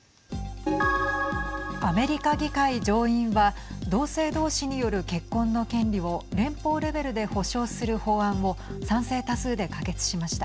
アメリカ議会上院は同性同士による結婚の権利を連邦レベルで保障する法案を賛成多数で可決しました。